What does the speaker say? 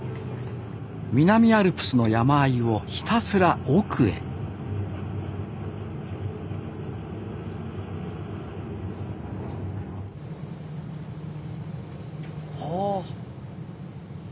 南アルプスの山あいをひたすら奥へおお。